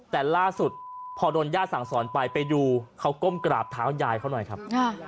แต่ล่าสุดพอโดนญาติสั่งสอนไปไปดูเขาก้มกราบเท้ายายเขาหน่อยครับ